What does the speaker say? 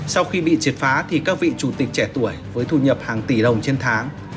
sau khi bị triệt phá thì các vị chủ tịch trẻ tuổi với thu nhập hàng tỷ đồng trên tháng